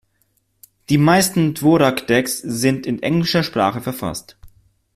Die meisten Dvorak-Decks sind in englischer Sprache verfasst.